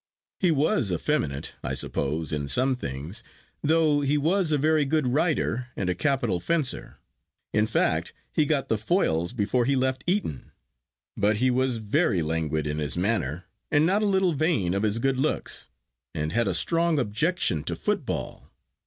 He was effeminate, I suppose, in some things, though he was a very good rider and a capital fencer. In fact he got the foils before he left Eton. But he was very languid in his manner, and not a little vain of his good looks, and had a strong objection to football.